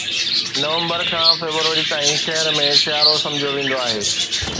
نومبر کان فيبروري تائين شهر ۾ سيارو سمجهيو ويندو آهي